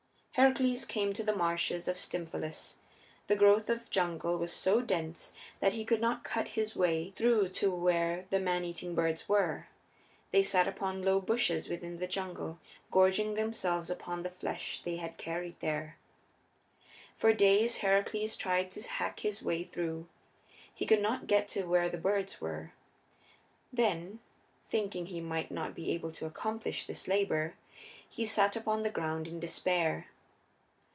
Heracles came to the marshes of Stymphalus. The growth of jungle was so dense that he could not cut his way through to where the man eating birds were; they sat upon low bushes within the jungle, gorging themselves upon the flesh they had carried there. For days Heracles tried to hack his way through. He could not get to where the birds were. Then, thinking he might not be able to accomplish this labor, he sat upon the ground in despair.